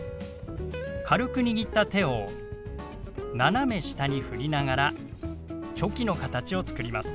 軽く握った手を斜め下にふりながらチョキの形を作ります。